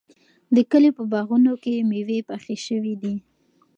د کلي په باغونو کې مېوې پخې شوې دي.